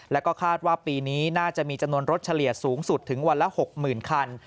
แล้วก็คาดว่าปีนี้น่าจะมีจำนวนรถเฉลี่ยสูงสุดถึงวันละ๖๐๐๐คัน